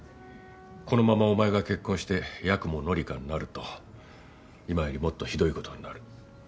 このままお前が結婚して八雲乃理花になると今よりもっとひどいことになる。